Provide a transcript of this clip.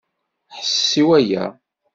Ḥesses i waya!